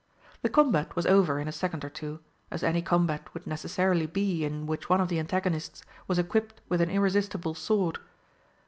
The combat was over in a second or two as any combat would necessarily be in which one of the antagonists was equipped with an irresistible sword.